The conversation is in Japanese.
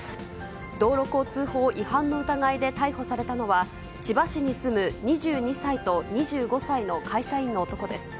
道路交通法違反の疑いで逮捕されたのは、千葉市に住む２２歳と２５歳の会社員の男です。